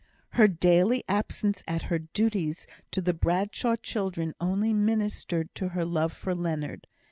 Her daily absence at her duties to the Bradshaw children only ministered to her love for Leonard.